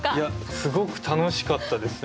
すごく楽しかったですね。